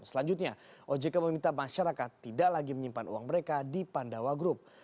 selanjutnya ojk meminta masyarakat tidak lagi menyimpan uang mereka di pandawa group